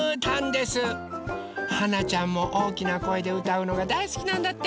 はなちゃんもおおきなこえでうたうのがだいすきなんだって！